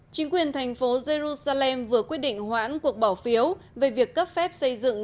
chính quyền thành phố jerusalem vừa quyết định hoãn cuộc bỏ phiếu về việc cấp phép xây dựng